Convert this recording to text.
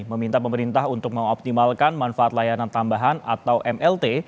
meminta pemerintah untuk mengoptimalkan manfaat layanan tambahan atau mlt